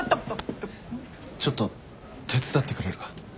ちょっと手伝ってくれるか？